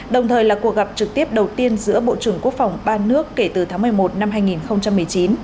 đồng thời là cuộc gặp trực tiếp đầu tiên giữa bộ trưởng quốc phòng ba nước kể từ tháng một mươi một năm hai nghìn một mươi chín